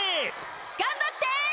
頑張って！